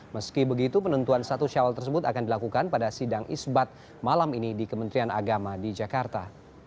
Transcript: meski begitu penentuan satu syawal tersebut akan dilakukan pada sidang isbat malam ini di kementerian agama di jakarta